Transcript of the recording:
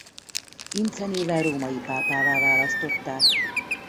Ince néven római pápává választották.